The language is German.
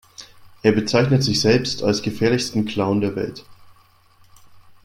Er bezeichnet sich selbst als „gefährlichsten Clown der Welt“.